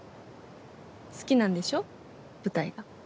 好きなんでしょ舞台が。